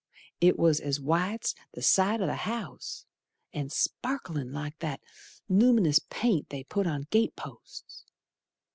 It was as white's the side o' th' house, And sparklin' like that lum'nous paint they put on gate posts.